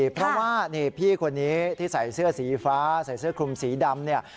เพราะว่านี่พี่คนนี้ที่ใส่เสื้อสีฟ้าใส่เสื้อคลุมสีดำเนี่ย